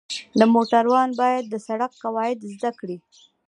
د موټروان باید د سړک قواعد زده کړي.